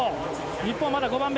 日本はまだ５番目。